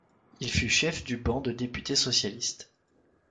Il fut chef du banc de députés socialistes.